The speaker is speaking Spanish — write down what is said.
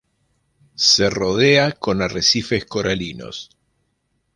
Se rodea con arrecifes coralinos.